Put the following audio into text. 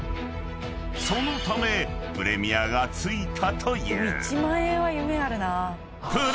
［そのためプレミアが付いたという］